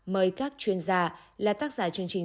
mời các chuyên gia là tác giả chương trình